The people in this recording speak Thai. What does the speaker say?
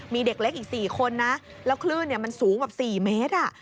มีเด็กเล็กอีก๔คนนะแล้วคลื่นมันสูงแบบ๔เมตร